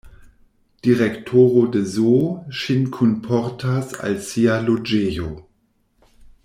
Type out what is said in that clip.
Direktoro de zoo ŝin kunportas al sia loĝejo.